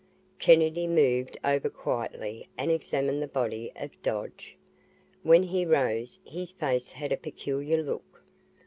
Kennedy moved over quietly and examined the body of Dodge. When he rose, his face had a peculiar look.